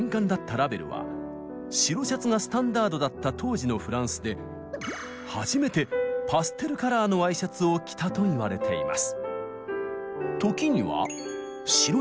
ラヴェルは白シャツがスタンダードだった当時のフランスで初めてパステルカラーのＹシャツを着たといわれています。